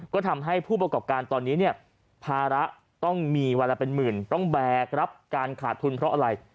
ก็ทำให้ผู้ประกอบการตอนนี้เนี่ยภาระต้องมีวันละเป็นหมื่นต้องแบกรับการขาดทุนเพราะอะไร